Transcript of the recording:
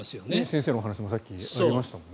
先生のお話にもさっきありましたよね。